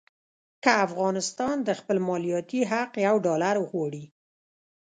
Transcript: که افغانستان د خپل مالیاتي حق یو ډالر وغواړي.